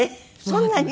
そんなに？